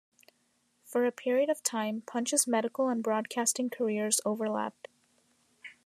For a period of time, Punch's medical and broadcasting careers overlapped.